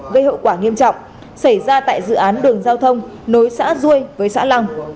gây hậu quả nghiêm trọng xảy ra tại dự án đường giao thông nối xã ruôi với xã lăng